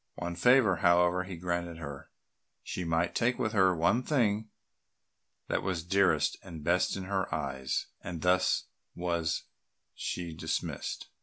One favour, however, he granted her; she might take with her the one thing that was dearest and best in her eyes; and thus was she dismissed.